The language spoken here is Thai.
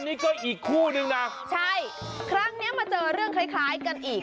นี่ก็อีกคู่นึงนะใช่ครั้งนี้มาเจอเรื่องคล้ายกันอีก